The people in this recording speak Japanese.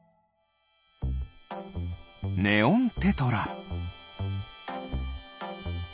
ネオンテトラ。